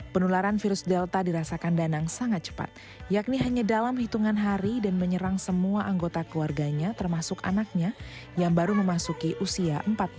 penularan virus delta dirasakan danang sangat cepat yakni hanya dalam hitungan hari dan menyerang semua anggota keluarganya termasuk anaknya yang baru memasuki usia empat belas tahun